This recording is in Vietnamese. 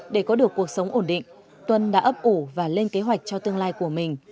để có được cuộc sống ổn định tuân đã ấp ủ và lên kế hoạch cho tương lai của mình